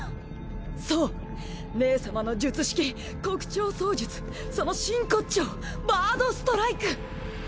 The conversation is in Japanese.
そう姉様の術式黒鳥操術その真骨鳥「バードストライク」！